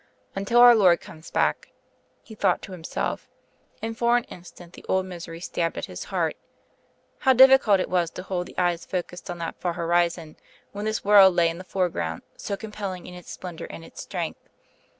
"Until our Lord comes back," he thought to himself; and for an instant the old misery stabbed at his heart. How difficult it was to hold the eyes focussed on that far horizon when this world lay in the foreground so compelling in its splendour and its strength!